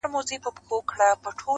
موږکان د غار په خوله کي ګرځېدله,